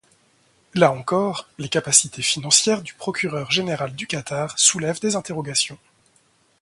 Là encore, les capacités financières du procureur général du Qatar soulèvent des interrogations.